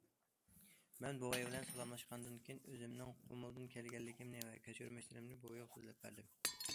مەن بوۋاي بىلەن سالاملاشقاندىن كېيىن، ئۆزۈمنىڭ قۇمۇلدىن كەلگەنلىكىمنى ۋە كەچۈرمىشلىرىمنى بوۋايغا سۆزلەپ بەردىم.